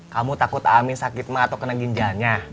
kamu takut amin sakit mah atau kena ginjalnya